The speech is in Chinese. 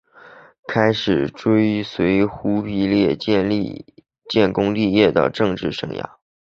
开始了追随忽必烈建功立业的政治生涯。